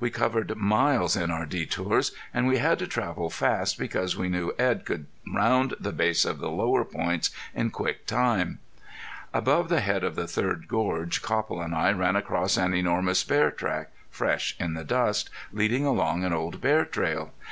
We covered miles in our detours and we had to travel fast because we knew Edd could round the base of the lower points in quick time. Above the head of the third gorge Copple and I ran across an enormous bear track, fresh in the dust, leading along an old bear trail.